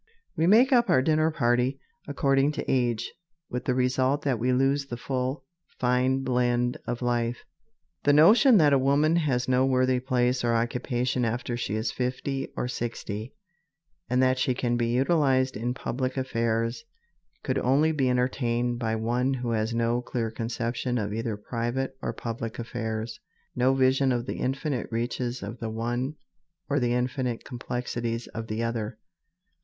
We make up our dinner party according to age, with the result that we lose the full, fine blend of life. The notion that a woman has no worthy place or occupation after she is fifty or sixty, and that she can be utilized in public affairs, could only be entertained by one who has no clear conception of either private or public affairs no vision of the infinite reaches of the one or the infinite complexities of the other.